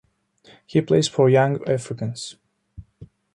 He plays for Young Africans.